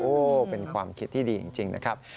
โอ้โหเป็นความคิดที่ดีจริงนะครับ